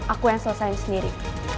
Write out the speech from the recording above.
aku yang selesaikan sendiri